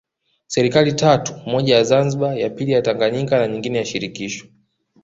Serikali tatu moja ya Zanzibar ya pili ya Tanganyika na nyingine ya shirikisho